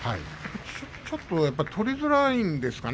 ちょっと取りづらいんですかね